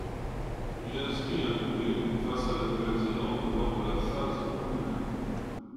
Il inscrit un doublé face à la Nouvelle-Zélande lors de la phase de poules.